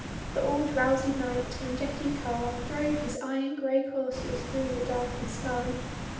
The all drowsy Night, in jetty car, drove his iron grey coursers through the darkened sky.